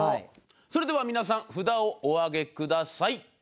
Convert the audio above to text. それでは皆さん札をお上げください。